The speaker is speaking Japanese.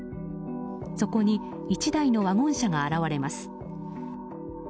そこに１台のワゴン車が現れます。